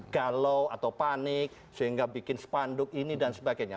galau atau panik sehingga bikin spanduk ini dan sebagainya